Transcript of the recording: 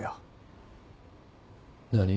何？